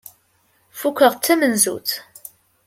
Fukkeɣ d tamenzut.